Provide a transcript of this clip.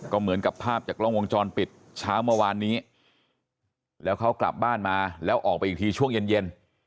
ก็เหมือนกับภาพจากกล้องวงจรปิดเช้าเมื่อวานนี้แล้วเขากลับบ้านมาแล้วออกไปอีกทีช่วงเย็น